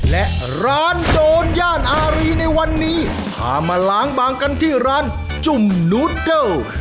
และร้านโจรย่านอารีในวันนี้พามาล้างบางกันที่ร้านจุ่มนูดเกิล